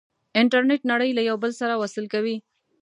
انټرنیټ نړۍ له یو بل سره وصل کوي.